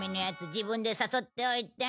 自分で誘っておいて。